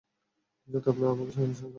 যাতে আপনারা আমাকে সমস্যায় না ফেলেন।